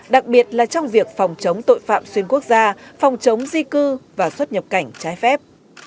đặc biệt là trong việc phòng chống tội phạm xuyên quốc gia phòng chống di cư và xuất nhập cảnh trái phép